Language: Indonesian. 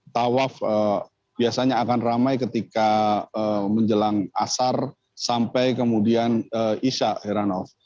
tawaf biasanya akan ramai ketika menjelang asar sampai kemudian isya heranov